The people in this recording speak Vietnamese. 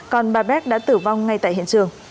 còn bà bé đã tử vong ngay tại hiện trường